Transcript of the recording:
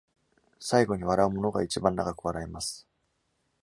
最後に笑う者が一番長く笑います。